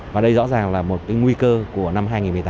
và đây rõ ràng là một nguy cơ của năm hai nghìn một mươi tám